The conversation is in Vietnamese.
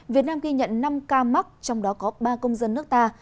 việt nam ghi nhận năm ca mắc trong đó có ba công dân nước ta